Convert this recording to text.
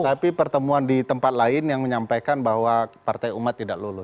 tapi pertemuan di tempat lain yang menyampaikan bahwa partai umat tidak lulus